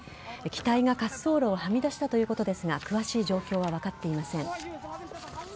機体が滑走路をはみ出したということですが詳しい状況は分かっていません。